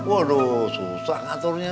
waduh susah ngaturnya mi